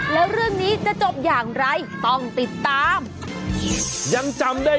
แล้วเรื่องนี้จะจบอย่างไรต้องติดตาม